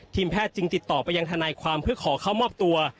แพทย์จึงติดต่อไปยังทนายความเพื่อขอเข้ามอบตัว